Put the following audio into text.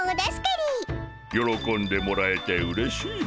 よろこんでもらえてうれしいモ。